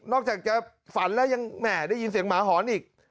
จากจะฝันแล้วยังแหม่ได้ยินเสียงหมาหอนอีก